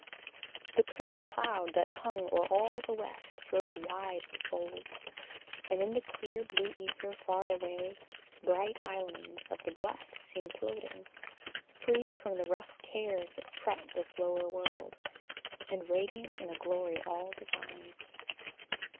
The curtain cloud That hung o'er all the west throws wide its folds, And in the clear blue ether far away Bright islands of the blest seem floating, free From the rough cares that fret this lower world, And radiant in a glory all divine.